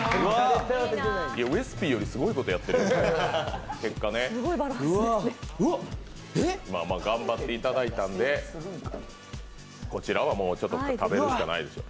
ウエスＰよりすごいことやってるよ頑張っていただいたんで、こちらは食べるしかないでしょう。